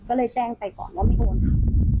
ก็เลยแจ้งไปก่อนว่าไม่โอนค่ะ